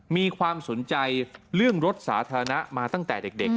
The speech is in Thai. มีความสนใจเรื่องรถสาธารณะมาตั้งแต่เด็ก